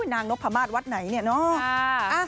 นางนพมาศวัดไหนเนี่ยเนาะ